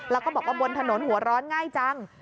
แล้วก็บอกว่าบนถนนหัวร้อนง่ายจัง